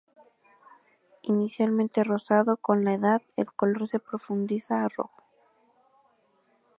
Inicialmente rosado, con la edad, el color se profundiza a rojo.